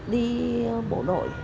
đi bộ đội